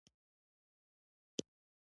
زه په دریم ټولګي کې یم.